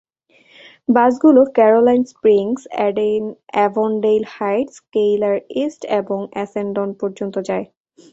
বাসগুলো Caroline Springs, Avondale Heights, Keilor East এবং Essendon পর্যন্ত যায়।